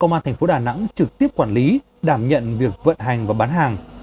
công an thành phố đà nẵng trực tiếp quản lý đảm nhận việc vận hành và bán hàng